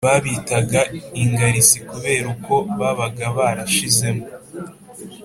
Babitaga ingarisi kubera uko babaga barashizemo.